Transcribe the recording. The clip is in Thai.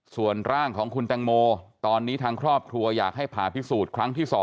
ส่วนร่างของคุณแตงโมตอนนี้ทางครอบครัวอยากให้ผ่าพิสูจน์ครั้งที่๒